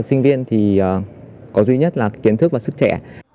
sinh viên thì có duy nhất là kiến thức và sức trẻ